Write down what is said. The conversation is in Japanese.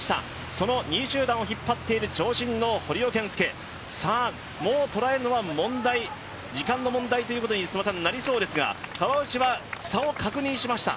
その２位集団を引っ張っている長身の堀尾謙介、もう捉えるのは時間の問題となりそうですが、川内は差を確認しました。